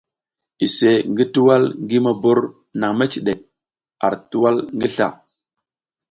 Iseʼe ngi tuwal ngi mobor nang mecidek ar tuwal ngi sla.